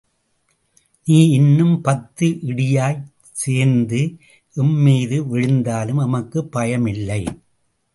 நீ இன்னும் பத்து இடியாய்ச் சேர்ந்து எம் மீது விழுந்தாலும் எமக்குப் பயமில்லை.